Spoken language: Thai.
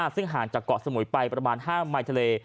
ซึ่งห่างจากเกาะสมุยไปประมาณ๕ไมล์ทะเล